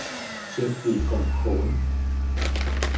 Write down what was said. chết đi con khốn